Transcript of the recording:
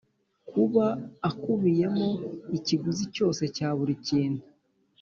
Kuba akubiyemo ikiguzi cyose cya buri kintu